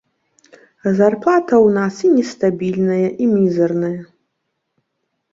Зарплата ў нас і нестабільная, і мізэрная.